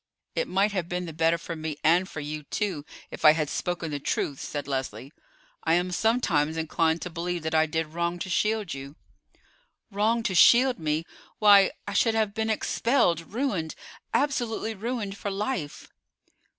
"It might have been the better for me and for you too if I had spoken the truth," said Leslie. "I am sometimes inclined to believe that I did wrong to shield you." "Wrong to shield me! Why, I should have been expelled, ruined; absolutely ruined for life."